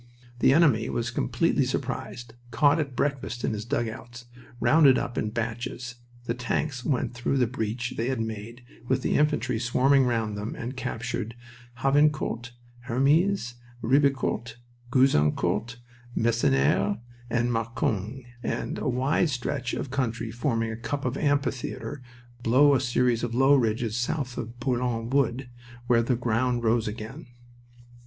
The enemy was completely surprised, caught at breakfast in his dugouts, rounded up in batches. The tanks went away through the breach they had made, with the infantry swarming round them, and captured Havrincourt, Hermies, Ribecourt, Gouzeaucourt, Masnieres, and Marcoing, and a wide stretch of country forming a cup or amphitheater below a series of low ridges south of Bourlon Wood, where the ground rose again.